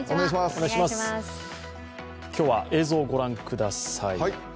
今日は映像をご覧ください。